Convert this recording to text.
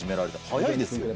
早いですね。